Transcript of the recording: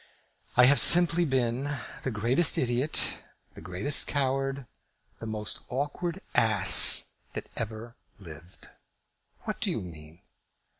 "I have simply been the greatest idiot, the greatest coward, the most awkward ass that ever lived!" "What do you mean?"